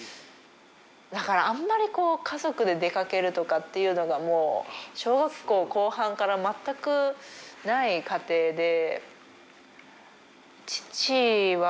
だからあんまり家族で出掛けるっていうのが小学校後半からまったくない家庭で。